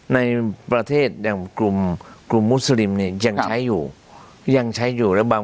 ในประเทศอย่างกลุ่มกลุ่มมุสลิมเนี่ยยังใช้อยู่ยังใช้อยู่แล้วบาง